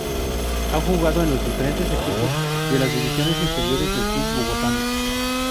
Ha jugado en los diferentes equipos de las divisiones inferiores del club bogotano.